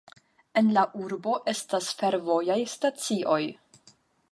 En la urbo estas fervojaj stacioj.